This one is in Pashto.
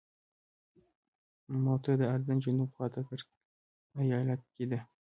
موته د اردن جنوب خواته کرک ایالت کې ده.